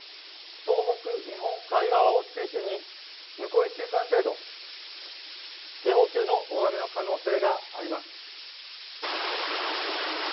東北日本海側を中心に、向こう１週間程度、警報級の大雨の可能性があります。